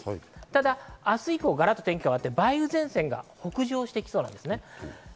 ただ明日以降、ガラリと天気が変わって梅雨前線が北上してきそうです。